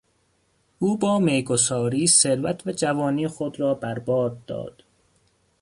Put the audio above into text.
او با میگساری ثروت و جوانی خود را بر باد داد.